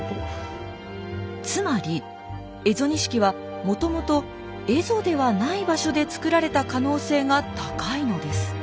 つまり蝦夷錦はもともと蝦夷ではない場所で作られた可能性が高いのです。